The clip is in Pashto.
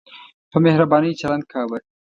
په مهربانۍ چلند کاوه.